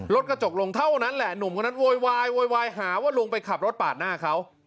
รถกระจกลงเท่านั้นแหละหนุ่มคนนั้นโวยวายโวยวายหาว่าลุงไปขับรถปาดหน้าเขา